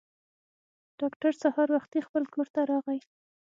ډاکټر سهار وختي خپل کور ته راغی.